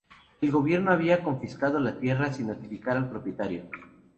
El gobierno había confiscado la tierra sin notificar al propietario.